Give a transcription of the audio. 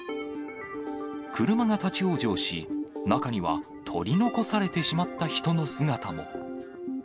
車が立ち往生し、中には、取り残されてしまった人の姿も。